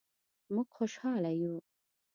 مونږ خوشحاله یو